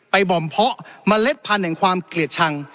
บ่อมเพาะเมล็ดพันธุ์แห่งความเกลียดชัง